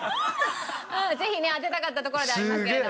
ぜひね当てたかったところではありますけれども。